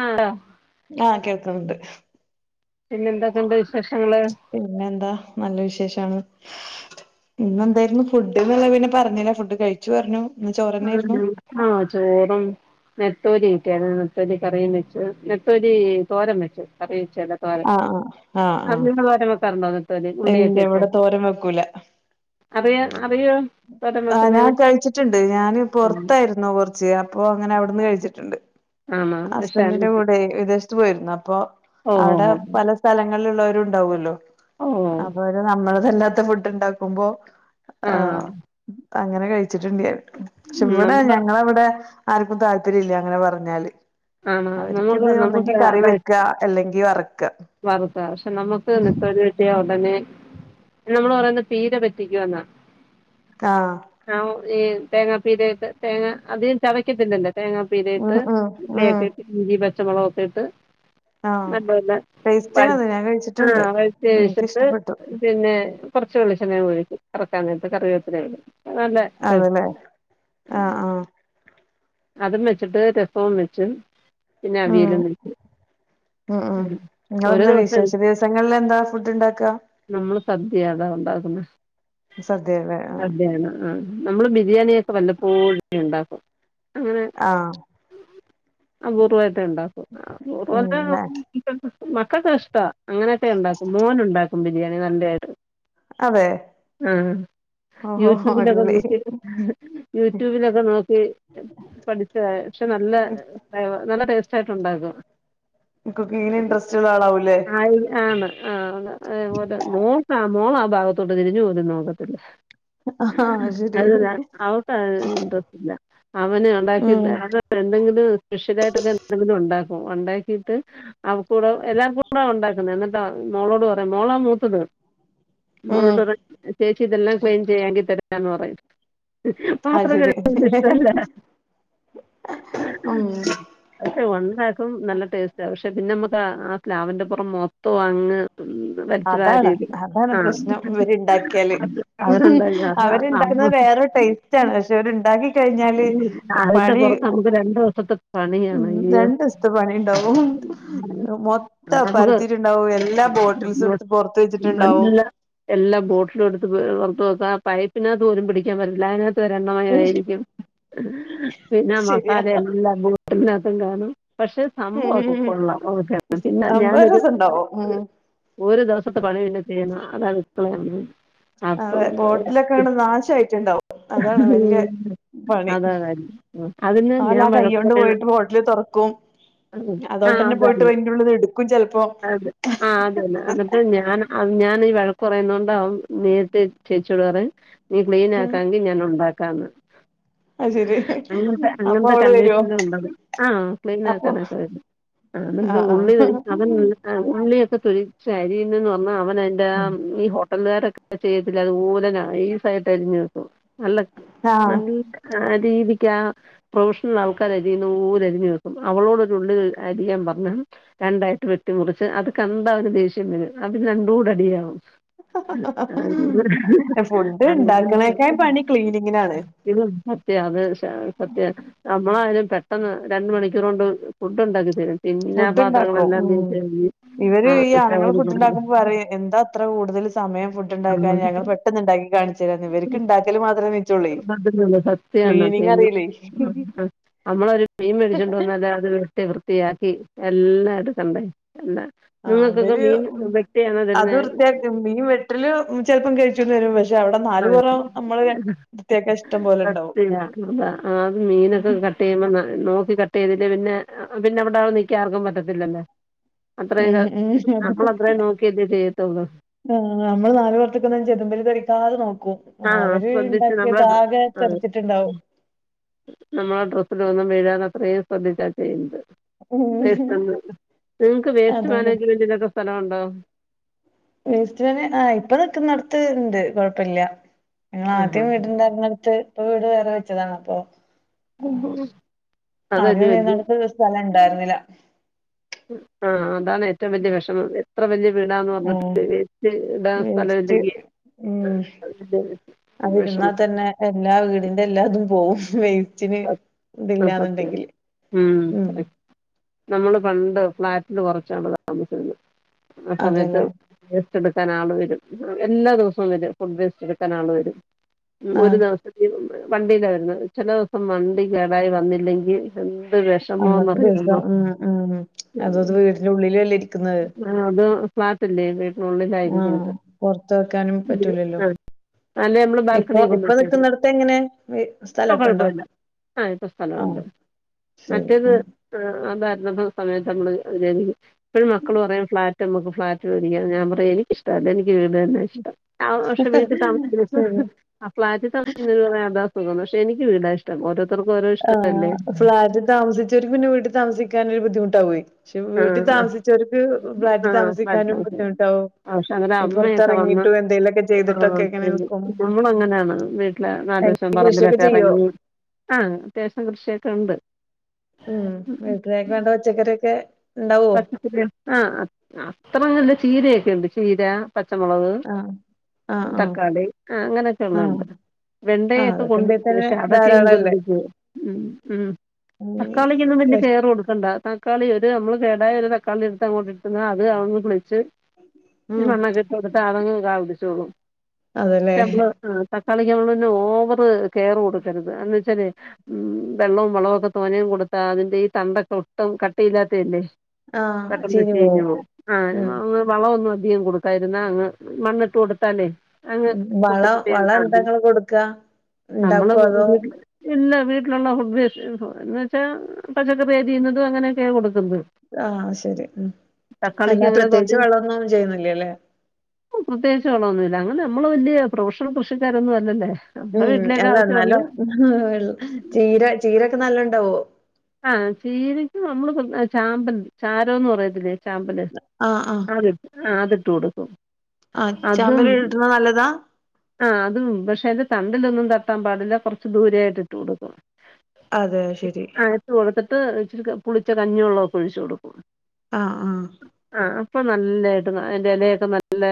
ആ ടോ ആ കേൾക്ക്ണ് ണ്ട് പിന്നെ ന്തൊക്കെണ്ട് ശേഷങ്ങള് പിന്നെന്താ നല്ല വിശേഷാണ്. ഇന്നെന്തേയിര്ന്നു ഫുഡ്ന്ന്ള്ളെ പിന്നെ പർഞ്ഞില ഫുഡ് കഴിച്ചു പർഞ്ഞു ആണോ ആഹ് ചോറും നെത്തോലി കിട്ട്യാര്ന്നു നെത്തോലി കറിയും വെച്ചു നെത്തോലി തോരൻ വെച്ചു കറി വെച്ചാല ആഹ് ആഹ് ആഹ് ആഹ് [unintelligible] തോരൻ വെക്കാറുണ്ടോ നെത്തോലി ഇല്ല ഉള്ളിയൊക്കെ ഇട്ട് ഇവിടെ തോരൻ വെക്കൂല അത് അറിയോ തോരൻ വെക്കുന്ന ട്ട്ണ്ട് ഞാൻ പൊറത്തായിരുന്നു കൊറച്ച് അപ്പൊ അങ്ങനെ അവിടുന്ന് കഴിച്ചിട്ടുണ്ട് ആണോ ഇഷ്ടാണോ ഹസ്ബന്റിന്റെ കൂടെ വിദേശത്ത് പോയിരുന്നു അപ്പൊ ഓഹ് അവിടെ ഓഹ് പല സ്ഥലങ്ങളില് ഉള്ളോരും ഉണ്ടാവുല്ലോ ഓഹ് ഓഹ് അപ്പ അവര് നമ്മള് അല്ലാത്ത ഫുഡ് ഇണ്ടാക്കുമ്പോ ആഹ് അങ്ങനെ കഴിച്ചിട്ട്ണ്ട് ഞാൻ പക്ഷെ ഇവിടെ നമ്മുടെ ഞങ്ങളവിടെ ആർക്കും താല്പര്യം ഇല്ല അങ്ങനെ പറഞ്ഞാല് ആണോ നമുക്ക് അവർക്കിത് നമുക്ക് ഒന്നെങ്കി കറി വെക്കാ അല്ലെങ്കി വറ്ക്ക വറുക്ക പക്ഷെ നമുക്ക് നെത്തോലി കിട്ടിയ ഉടനെ നമ്മള് പറയ്ന്ന് പീര പറ്റിക്കുവന്നാ ആഹ ആഹ് ഈ തേങ്ങാപ്പീര ഒക്കെ തേങ്ങ അധികം ചതയ്ക്കത്തില്ലല്ലോ തേങ്ങാ ഉം ഇട്ട് ഉം ഇല ഉം ഒക്കെട്ട് ഇഞ്ചി പച്ചമുളകൊക്കെ ഇട്ട് ആഹ് നല്ല പോലെ പഴ് ടേസ്റ്റാണത് ഞാൻ കഴിച്ചിട്ടുണ്ട് ആഹ് പഴ്ത്ത വെച്ചിട്ട് എനിക്കിഷ്ടപ്പെട്ടു പിന്നെ കുറച്ച് വെളിച്ചെണ്ണേം ഒഴിക്ക് കറക്കാനായിട്ട് കറി വേപ്പില നല്ല ടേസ്റ്റ് ആന്നല്ലേ ആഹ ആഹ അതും വെച്ചിട്ട് രസവും വെച്ചും പിന്നെ ഉം അവിയലും വെച്ചും ഉം ഉം ഇങ്ങളെന്താ വിശേഷ ദിവസങ്ങളിൽ എന്താ ഫുഡ് ഇണ്ടാക്ക നമ്മള് സദ്യ അതാ ഉണ്ടാക്കുന്ന സദ്യല്ലേ ആഹ് സദ്യയാണ് ആഹ നമ്മള് ബിരിയാണിയൊക്കെ വല്ലപ്പോഴേ ഉണ്ടാക്കും ആഹ അഭൂർവായിട്ടേ ഇണ്ടാക്കും അഭൂർവല്ല ഉം മക്കൾക്കത് ഇഷ്ടാ അങ്ങനെയൊക്കെ ഉണ്ടാക്കും മോന് ഉണ്ടാക്കും ബിരിയാണി നല്ല ആയിട്ട് അതെ ആഹ ഓഹോ യൂട്യൂബിലൊക്കെ അടിപൊളി നോക്കി യൂട്യൂബിലൊക്കെ നോക്കി പഠിച്ച പക്ഷെ നല്ല ഫേവ നല്ല ടേസ്റ്റ് ആയിട്ടുണ്ടാക്കും കുക്കിംഗ്‌ന് ഇൻടറസ്റ്റ് ഇള്ള ആളാവുലെ ആ ആന്ന് ആഹ നോക്ക ആ മോള് ആ ഭാഗത്തോട്ട് തിരിഞ്ഞു പോലും നോക്കത്തില്ല ആഹ് ശരി അതല്ല അവക്ക് അത്‌ ഇൻട്രസ്റ്റ് ഇല്ല അവന് ഉം ഉണ്ടാക്കിട്ട് അവൻ എന്തെങ്കിലും സ്പെഷ്യലായിട്ട് എന്തെങ്കിലും ഉണ്ടാക്കും ഉണ്ടാക്കിയിട്ട് അവക്കൂടെ എല്ലാര്ക്കും കൂടെ ഉണ്ടാക്കുന്ന എന്നിട്ടാ മോളോട് പറയും മോളാ മൂത്തത് ഉം മോളോട് പറയും ചേച്ചി ഇതെല്ലാം ക്ലീൻ ചെയ്യാങ്കി തരാ പറയും അത് പാത്രം ശരി കഴ്കാൻ അവന് ഇഷ്ടല്ല ഉം പക്ഷെ ഉണ്ടാക്കും നല്ല ടേസ്റ്റാ പക്ഷെ പിന്നെ ഇമ്മക്ക് ആ സ്ലാവിന്റെപ്പുറം മൊത്തം അങ്ങ് വലിച്ച് അതാണ് വാരിയിടും അതാണ് ആ പ്രശ്നം ഇവര് ഇണ്ടാക്കിയാല് അത് അവരുണ്ടാക്കി അതാ നമ്മൾ അവര്ണ്ടാക്കുന്നത് വേറൊരു ടേസ്റ്റ് ആണ് പക്ഷെ അവരുണ്ടാക്കി കഴിഞ്ഞാല് അതിൻ്റെ പണി പുറത്ത് നമുക്ക് രണ്ട് ദിവസത്തെ ഉം പണിയാണ് അയ്യോ രണ്ട് സ്ത്തെ പണി ഇണ്ടാവും മൊത്തം പരതത്തീട്ട് ഇണ്ടാവും എല്ലാ ബോട്ടിൽസും എടുത്ത് പൊറത്ത് വെച്ചിട്ടുണ്ടാവും അല്ല എല്ലാ ബോട്ടിലും എടുത്ത് പുറത്ത് വക്ക ആ പൈപ്പിനാത്ത് പോലും പിടിക്കാൻ പറ്റത്തില്ല അതിനകത്ത് ഒര് എണ്ണ മയം ഉം ആയിരിക്കും പിന്നെ ശരിയാ മസാല എല്ലാം എല്ലാതും കാണും പക്ഷെ സംഭവം ഒക്കെ ഉം കൊള്ളാം ഓക്കെ പിന്നെ സംഭവം ഞാനൊരു രസണ്ടാവും ഉം ഒരു ദിവസത്തെ പണി പിന്നെ ചെയ്യണം അതാണ് ഇപ്പളെ അങ്ങ് അതെ ബോട്ടിലൊക്കെ നാശയിട്ടുണ്ടാവും [unintelligible] ഉം അത അത അതിന് ഓലാ ഞാൻ കൈയ്യോണ്ട് വഴക്ക്പ്പറയണ പോയിട്ട് ബോട്ടില് തൊറക്കും ആഹ് അതോണ്ടന്നെ പോയിട്ട് അതാണ് അയിന്റെ ഉള്ളിന്ന് എടുക്കും ചെലപ്പോ അത് ആഹ് അതാണ് അപ്പ ഞാന ആഹ് ഞാൻ ഈ വഴക്ക് പറയുന്നത് കൊണ്ടാവും നേരിട്ട് ചേച്ചിയോട് പറയും നീ ക്ലീ അല്ലെങ്കിൽ ഞാൻ ഉണ്ടാകാന്ന് അത് ശരി അങ്ങനത്തെ അപ്പൊ അങ്ങനത്തെ അവള് വരുവോ കണ്ടീഷന ഉള്ളത് ആഹ് ക്ലീൻ അപ്പൊ ആക്കാനൊക്കെ പറ്റും അതെന്താ ആഹ് ഉള്ളി തൊലി അതെന്താ ആഹ് ഉള്ളിയൊക്കെ തൊലിച്ച് അരി യുന്നവന്ന അവന് എന്റെ ആഹ് ഇ ഹോ അതുപോലെ നൈസായിട്ട് അറിഞ്ഞെടുക്കു നല്ല ആഹ് ആഹ് നല്ല ആഹ് രീതിയ്ക്ക് ആഹ് പ്രൊഫഷണൽ ആൾക്കാരരിയുന്ന അത് പോലെ അരിഞ്ഞു വെക്കും അവളോട് ഒരു ഉള്ളി അരിയാൻ പറഞ്ഞാൽ രണ്ടായിട്ട് വെട്ടി മുറിച്ച് അത് കണ്ടാ അവൻ ദേഷ്യം വരും അതിൽ രണ്ടും കൂടെ അടിയാവും അടിയാവും ഫുഡ് ഇണ്ടാക്കണേക്കയും പണി ക്ലീനിങ്ങിനാണ് ഇത് സത്യ അത് സത്യവ നമ്മളായാലും പെട്ടെന്ന് രണ്ട് മണിക്കൂർ കൊണ്ട് ഫുഡ് ഉണ്ടാക്കി തരും പിന്നെ ആഹ് ഫുഡ് ഇണ്ടാക്കും പാത്രങ്ങളെല്ലാം ഉം തേച്ച് കഴുകി ഇവര് ഈ ആണുൾ ഫുഡ് ആ ഉണ്ടാക്കുമ്പോ പറയും എന്താ ഇത്ര കൂടുതൽ സമയം ഫുഡ് ഉണ്ടാക്കാന് ഞങ്ങൾ ഇണ്ടാക്കി കാണിച്ച് തരാ ഇവർക്ക് ഉണ്ടാക്കൽ മാത്രം അതല്ല സത്യാണ് അറിയില്ലേ [unintelligible] നമ്മളൊരു മീൻ മേടിച്ചു കൊണ്ട് വന്നാൽ അത് വെട്ടി വൃത്തി വൃത്തിയാക്കി എല്ലാം എടുക്കണ്ടേ എന്താ ആഹ് നിങ്ങൾക്കൊക്കെ ഇവര് മീൻ ഉം വീട്ടിയാണോ തരുന്നേ തിൽ ചിലപ്പം കഴിച്ചൂന്ന് വരും പക്ഷെ അവിടെ ആ നാലപുറം നമ്മള് വൃത്തിയാക്കാൻ ഇഷ്ടം പോലെ ഉണ്ടാവും സത്യാ അതാ ആ, അത് മീനൊക്കെ കട്ട് ചെയ്യുമ്പോ നോക്കി കട്ട് ചെയ്തില്ലേ പിന്നെ പിന്നെ അവിടെ നിൽക്കാൻ ആർക്കും പറ്റത്തില്ലല്ലോ അത്രയും ഉം ഉം അത് നമ്മൾ അത്രയും നോക്കിയിട്ടേ ചെയ്യത്തുള്ളു ആഹ് നമ്മള് നാല് പുറത്തേക്കൊന്നും ചെദംബൽ തെറിക്കാതെ നോക്കും ആ അവര് ശ്രദ്ധിച്ച് നമ്മളെ ഇണ്ടാക്കിയത് ഡ്ര- ആകെ ആ തെറിച്ചിട്ടുണ്ടാവും നമ്മളെ ഡ്രസ്സിൽ ഒന്നും വീഴാതെ അത്രയും ശ്രദ്ധിച്ചാ ചെയ്യുന്നത് ഉം വേസ്റ്റ് നിങ്ങൾക് വേസ്റ്റ് അതാണ് മാനേജ്മെന്റിനോക്കെ സ്ഥലമുണ്ടോ വേസ്റ്റിടാൻ ആഹ് ഇപ്പൊ നിക്കുന്നോടത്ത് ഉണ്ട് കുഴപ്പമില്ല നിങ്ങൾ ആ ആദ്യം വീടുണ്ടാർന്നോടത് ഇപ്പൊ വീട് വേറെ വെച്ചതാണോ അപ്പൊ ഹാ ആഹ് അതല്ലേ ആദ്യം വലിയ നിന്നീനോടത്തു സ്ഥലം ഇണ്ടായിരുന്നില്ല ആഹ് അതാണ് ഏറ്റവും വലിയ വിഷമം എത്ര വലിയ വീടാന്ന് പറഞ്ഞിട്ടും ആഹ് വേസ്റ്റ് ഇടാൻ സ്ഥലം വേസ്റ്റ് ഇല്ലെങ്കിൽ ഉം അത് അതിരുന്നാ വിഷമം തന്നെ എല്ലാ വീടിന്റെ എല്ലാതും പോവും [unintelligible] അത് സത്യം ഇതില്ലാന്നുണ്ടെങ്കില് ഉം നമ്മള് പണ്ട് ഫ്ലാറ്റിന് കുറച്ചു കാലം താമസിച്ചിരുന്നു ആഹ് സമയത്ത് അതെല്ലേ വേസ്റ്റ് എടുക്കാൻ ആൾ വരും എല്ലാ ദിവസവും വരും ഫുഡ് വേസ്റ്റ് എടുക്കാൻ ആൾ വരും ഉം ഒരു ആഹ് ദിവസത്തെ വണ്ടിയിലായിരുന്നു ചില ദിവസം വണ്ടി കേടായി വന്നില്ലെങ്കിൽ എന്തൊരു അന്നത്തെ ദിവസം ഉം ഉം അതത് വീടിന്റെ ഉള്ളിൽ അല്ലെ ഇരിക്കുന്നത് ആഹ് അത് ഫ്ലാറ്റല്ലേ വീട്ടിനുള്ളിലായിരിക്കും ആഹ് പൊറത്ത് വെക്കാനും പറ്റൂലല്ലോ ആഹ് അല്ല നമ്മള് ഇപ്പൊ ബാൽക്കണിയിൽ കൊണ്ട് ഇപ്പൊ കൊടുത്ത മതി നിക്കുന്നിടത്ത് എങ്ങനെ വി അപ്പൊ സ്ഥലൊക്കെ ഉണ്ടോ കുഴപ്പമില്ല ആഹ് ഇപ്പോ ആഹ് സ്ഥലമുണ്ട് ശരി ആഹ് ആഹ് അതായിരുന്ന സമയത്ത് നമ്മള് ഇപ്പോഴും മക്കള് പറയും ഫ്ളാറ്റ് നമ്മുക്ക് ഫ്ളാറ്റ് ഫ്ലാറ്റ് മേടിക്ക്യ ഞാൻ പറയും എനിക്ക് ഇഷ്ടല്ല എനിക്ക് വീട് തന്നെ ഇഷ്ടം ആഹ് സമയത്ത്താമസിക്കുന്നത് ശരി ആഹ് ഫ്ലാറ്റ് താമസിക്കുന്നതിന് ന്നു പക്ഷെ എനിക്ക് വീടാ ഇഷ്ടം ഓരോരുത്തർക്ക് ഓരോ ഇഷ്ടമല്ലേ ആഹ് ഫ്ളാറ്റ് താമസിച്ചവർക്ക് പിന്നെ വീട്ടി താമസിക്കാനൊരു ബുദ്ധിമുട്ടാവേ പക്ഷേ ആ വീട്ടി താമസിച്ചവർക്ക് ഫ്ലാറ്റ് ആ ആ ഫ്ലാറ്റിൽ താമസിക്കാനും താമസിക്കാൻ ബുദ്ധിമുട്ടാവും പക്ഷേ അങ്ങനെ ഈ അമ്മയൊക്കെ വന്ന് പുറത്തിറങ്ങിയിട്ടും എന്തെേലുമൊക്കെ ചെയ്തിട്ടൊക്കെ എങ്ങനെ [unintelligible] നിക്കും നമ്മളങ്ങനെയാണ് വീട്ടിലെ ന എങ്ങനെ [unintelligible] കൃഷിയൊക്കെ പറമ്പിലൊക്കെ ചെയ്യോ എറങ്ങി ആഹ് അത്യാവശ്യം കൃഷിയൊക്കെ ഉണ്ട് ഉം വീട്ടിലേക്ക്‌ വേണ്ട പച്ചക്കറിയൊക്കെ ഉണ്ടാവോ ആഹ് അത്ര നല്ല ചീരൊക്കെയുണ്ട് ചീര പച്ചമുളക് ആഹ് ആഹ് ആഹ് തക്കാളി ആഹ് അങ്ങനൊക്കെ ഉള്ള ആഹ് ഉണ്ട് വെണ്ട ആഹ് യൊക്കെ അതൊക്കെ കൊണ്ട് ഉണ്ടേ തന്നെ പക്ഷേ അതൊക്കെ ഇൻക് ധാരാളല്ലേ ഒരുത് ഉം ഉം ഉം തക്കാളിക്കൊന്നും വലിയ വെഷ് കെയർ കൊടുക്കണ്ട തക്കാളി ഒരു നമ്മൾ കേടായ ഒരു തക്കാളി എടുത്ത് അങ്ങോട്ട് ഇട്ടുന്ന അത് അവിടുന്ന് കിളിച്ച് ഈ ഉം മണ്ണൊക്കെ ഇ [unintelligible] പക്ഷെ അതല്ലേ നമ്മള് ക്കാളിക്ക് നമ്മൾ പിന്നെ ഓവറ് കെയർ കൊടുക്കരുത് എന്ത ചാല് ഉം വെള്ളവും വളവോക്കെ തോനെയും കൊടുത്താ അതിന്റെ ഈ തണ്ടൊക്കെ ഒട്ടും കട്ടിയില്ലാത്തല്ലേ ആഹ് പെട്ടെന്ന് ചീഞ്ഞു ചീഞ്ഞ് പോവും പോകും ആഹ് ഉം [unintelligible] വളം ഒന്നും അധികം കൊടുക്കായിരുന്ന അങ്ങ് മണ്ണിട്ട് കൊടുത്താലെ അങ്ങ് കുട്ട വള വള എന്താ [unintelligible] ഇങ്ങള് കൊടുക്കാ നമ്മള് ഉണ്ടാക്കോ അതോ [unintelligible] ഇന്ന് വീട്ടിലുള്ള ഫുഡ് എന്ന് വെച്ചാ പച്ചക്കറി അരിയുന്നതും അങ്ങനെയൊക്കെയ കൊടുക്കുന്നത് ആഹ് ശരി ഉം തക്കാളിക്ക് അല്ലാ അങ്ങനെ പ്രത്യേകിച്ച് തോനെ വളം ഒന്നും ചെയ്യുന്നില്ല ലെ പ്രത്യേകിച്ചളൊന്നുമില്ല അങ്ങനെ നമ്മള് വല്യ പ്രൊഫഷൽ കൃഷിക്കാരൊന്നും അല്ലലെ ഉം എന്ന എന്നാലും ചീര ചീരൊക്കെ നല്ല ഉണ്ടാവോ ആഹ് ചീരക്ക് നമ്മള് ചാമ്പൻ ചാരോന്ന് പറയത്തില്ലേ ചാമ്പല് ആഹ് ആഹ് അത് ആഹ് അതിട്ട് കൊടുക്കും ആഹ് ചാമ്പല് ഇടുന്ന നല്ലതാ ആഹ് അതും പക്ഷേ അതിൻ്റെ തണ്ടിലൊന്നും തട്ടാൻ പാടില്ല കുറച്ച് ദൂരെയായിട്ട് ഇട്ട് കൊടുക്കുക അതെ അ ശരി നനച്ച് കൊടുത്തിട്ട് ഇച്ചിരി പുളിച്ച കഞ്ഞിവെള്ളം ഒക്കെ ഒഴിച്ച് കൊടുക്കുക ആഹ് ആഹ് ആഹ് അപ്പോ നല്ലായിട്ട് അതിന്റെ ഇലയൊക്കെ നല്ല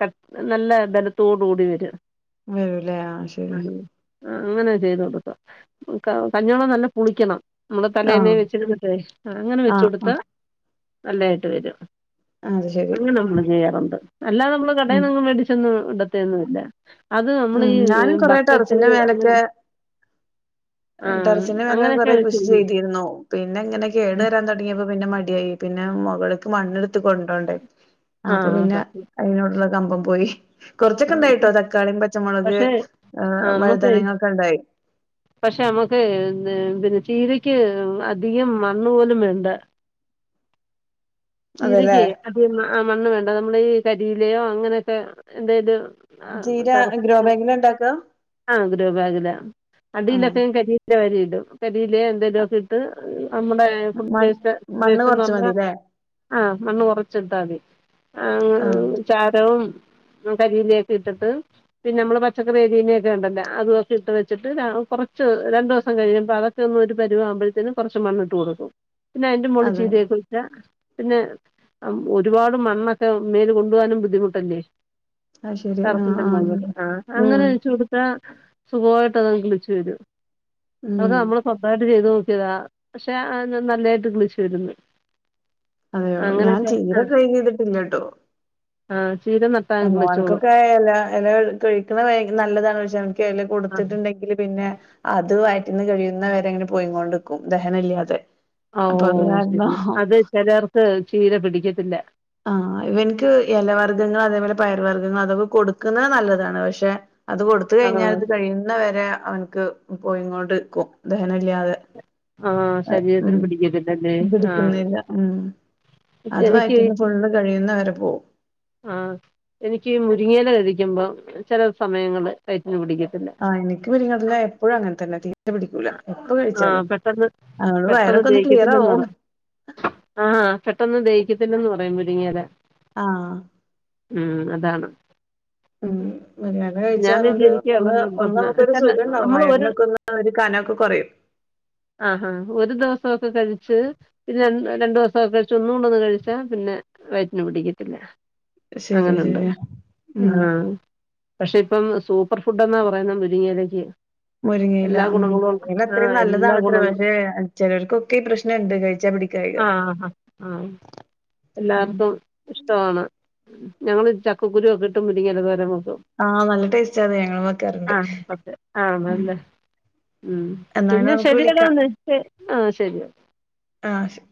ക നല്ലേ ബലത്തോട് കൂടി വരും വരും ലെ ആഹ് ശരി അങ്ങനെ ചെയ്തു കൊടുക്ക ക കഞ്ഞി വെളളം നല്ല പുളിക്കണം നമ്മള് ആ തലേന്നെ വെച്ചിടുന്നിട്ടെ അങ്ങനെ ആ വെച്ച് ആ കൊടുത്താ നല്ലതായിട്ട് വരും അത് ശരി അങ്ങനെ നമ്മള് ചെയ്യാറുണ്ട് അല്ലാതെ നമ്മള് ഉം കടയിൽന്ന് എങ്ങും മേടിച്ചൊന്നും ഇടത്തെന്നും ഇല്ല അത് നമ്മൾ ഉം ഈ ഞാനും കൊറേ ബക്കറ്റ് ടെറസിന്റെ അങ്ങനെ മേലൊക്കെ ആഹ് ടെറസിന്റെ മേലെ അങ്ങനെക്കെ കൊറേ കൃഷി ചെയ്തിരുന്നു പിന്നെ ഇങ്ങനെ കേട് വരാൻ തൊടങ്ങിയപ്പോ പിന്നെ മടിയായി പിന്നെ മൊകൾക്ക് മണ്ണ്ട് ത്ത് കൊണ്ടോണ്ടേ അപ്പോ ആഹ് പിന്നെ സത്യം അയിനോടുള്ള കമ്പം പോയി കുറച്ചൊക്കെ ആഹ് ഉണ്ടായിട്ടോ തക്കാളി പച്ചമുളക് പക്ഷെ ഏഹ് വഴുതനങ്ങൊക്കെ ഉണ്ടായി പക്ഷേ നമ്മുക്ക് ഇത് പിന്നെ ചീരക്ക് അധികം മണ്ണ് പോലും വേണ്ട അതെല്ലേ ചീരക്ക്‌ അതികം ആഹ് മണ്ണ് വേണ്ട നമ്മള് ഈ കരിയിലയോ അങ്ങനെയൊക്കെ എന്ത ഇത് ചീര ആഹ് ഗ്രോ [unintelligible] ബാഗിലാ ഇണ്ടാക്കാ ആഹ് ഗ്രോ ബാഗില ആ അടിയിലൊക്കെ ന്റെ വാരി ഇടും കരിലയോ എന്തേലും ഒക്കെ ഇട്ട് നമ്മുടെ ഫുഡ് മ വേസ്റ്റ് മണ്ണ് വേസ്റ്റ്ന്ന് കൊറച്ച് പറഞ്ഞ മതില്ലേ ആഹ് മണ്ണ് കൊറച്ച് ഇട്ടാ തി ആ ആ [unintelligible] ചാരവും ഹും കരില യൊക്കെ ഇട്ടിട്ട് പിന്നെ നമ്മൾ പച്ചക്കറി അരീനൊക്കെ ഉണ്ടല്ലോ അതൊക്കെ ഇട്ട് വെച്ചിട്ട് ര കൊറച്ച് രണ്ട് ദിവസം കഴിയുമ്പോൾ അത ഒന്ന് ഒരു പരുവ ആവുമ്പഴത്തിന് കൊറച്ച് മണ്ണിട്ട് കൊടുക്കും പിന്നെ അതിൻ്റെ മോള്ല് അതെ ചെയ്തേക്കുന്നെ വെച്ച പിന്നെ ഒരുപാട് മണ്ണൊക്കെ മേല് കൊണ്ടു പോകാനും ബുദ്ധിമുട്ടല്ലേ അത് ശരി ആഹ് ടറഫിന്റെ മോള് ആഹ് അങ്ങനെ ഉം യ്ച്ച് കൊട് ത്ര സുഖമായിട്ട് അത് വിളിച്ചു വരും അത് ഉം നമ്മള് സ്വന്തമായിട്ട് ചെയ്ത് നോക്കിയതാ പക്ഷേ ആ നല്ലായിട്ട് പുളിച്ചു വരുന്ന് അതെയോ ഞാൻ അങ്ങനെയൊക്കെ ചീര ട്രൈ ചെയ്തിട്ടില്ല ട്ടോ ആഹ് ചീര നട്ട് മോൻക്കൊക്കെ എല എല കഴിക്കണ നല്ലതാണ് പശെ ക്കെ എല ആ കൊടുത്തിട്ടുണ്ടെങ്കില് പിന്നെ അത് വയിറ്റ്ന്ന് കഴിയുന്നവരെങ്ങനെ പോയിങ്ങോണ്ട് ക്കും ദഹനില്ലാതെ ആ ഓഹ് ശരി അത് ചെലർക്ക് ചീര പിടിക്കത്തില്ല ആഹ് ഇവൻക്ക് എലവർഗ്ഗങ്ങള് അതേപോലെ പയർ വർഗങ്ങള് അതൊക്കെ കൊടുക്കുന്നത് നല്ലതാണ് പക്ഷേ അത് കൊടുത്ത് ആ കഴിഞ്ഞാത് കഴിയുന്ന വരെ അവൻക്ക് പോയിങ്ങോണ്ട്ക്കും ദഹനല്ലാതെ ആ ഹേ ഉം ശരീരത്തിന് പിടിക്കത്തില്ലല്ലേ ആ പിടുക്കുന്നില്ല ഉം അത് വയ എനിക്ക് ഫുള്ള് കഴിയുന്നവരെ പോകും ആഹ് എനിക്കീ മുരിങ്ങയില കയിക്കുമ്പം ചെല സമയങ്ങളില് വയറ്റിന് പിടിക്കത്തില്ല ആഹ് എനിക്ക് മുരിങ്ങയില എപ്പോഴും അങ്ങനെതന്നെ ട്ട് പിടിക്കൂല എപ്പ ആ കഴിച്ചാലും പെട്ടെന്ന് ആഹ് വയറൊക്കൊന്ന് ക്ലിയറാവും ആഹ് പെട്ടെന്ന് ദഹിക്കത്തില്ലന്ന് പറയും മുരിങ്ങയില ആഹ് ഉം അതാണ് ഉം വല്ലാതെ കഴിച്ചാ ഞാൻ ഒരു ശരിക്കുള്ള ഒന്ന് ഒന്ന് പ്രശ്നം നമുക്കൊരു ചില സുഖണ്ടാവും നമ്മൾ ഒരു വയറിനൊക്കൊന്ന് ആഹ് ഒരു കനൊക്കെ കൊറയും ആ ഹാ ഒരു ദിവസോക്കെ കഴിച്ച് പിന്നെ ര രണ്ടു ദിവസോക്കെ കഴിച്ച ഒന്നുടൊന്ന് കഴിച്ചാ പിന്നെ വയറ്റിന് പിടിക്കത്തില്ല ശരിയാ അങ്ങനുണ്ട് ശരിയാ ഉം ആഹ് പക്ഷേ ഇപ്പം സൂപ്പർ ഫുഡ് എന്നാ പറയുന്നത് മുരിങ്ങയിലക്ക് മുരിങ്ങയില ഉം അതല്ലൊ അത്രയും എല്ലാ നല്ലതാണത്ര ഗുണങ്ങളും പക്ഷേ ചെലർക്കൊക്കെ ഈ പ്രശ്നംണ്ട് കഴിച്ചാ പിടി ആഹ് ഹാ ആഹ് ഉം എല്ലാവർക്കും ഇഷ് ടമാണ് ഞങ്ങള് ചക്കക്കുരു യൊക്കെട്ട് മുരിങ്ങയില തോരൻ വെക്കും ആഹ് നല്ല ടേസ്റ്റ് അത് ഞങ്ങളും വെക്കാറുണ്ട് ആഹ് ഉം ഒക്കേ ആഹ് ഉം നല്ലേ ഉം എന്നാലും പിന്നെ നമുക്ക് വിളിക്കാം ശരിയടാന്ന് വച്ചെ ആഹ് ശരി ആഹ് ശരി